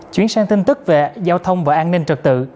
chuyển sang tin tức về giao thông và an ninh trật tự